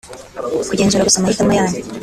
Kugenzura gusa amahitamo yanyu